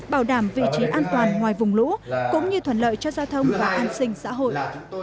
bảo đảm vị trí an toàn ngoài vùng lũ cũng như thuận lợi cho giao thông và an sinh xã hội